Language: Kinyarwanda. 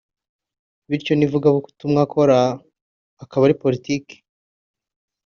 bityo n’ivugabutumwa akora akaba ari politiki